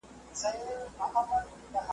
تاریخي حقایق باید له چا پټ نه سي.